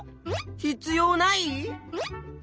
必要ない？